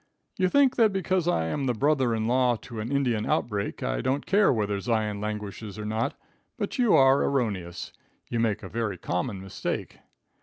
You think that because I am the brother in law to an Indian outbreak, I don't care whether Zion languishes or not; but you are erroneous. You make a very common mistake.